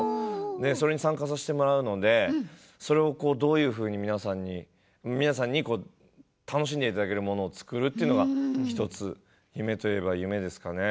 それに参加させてもらうのでそれをどういうふうに皆さんに楽しんでいただけるものを作るというか１つ夢といえば夢ですかね。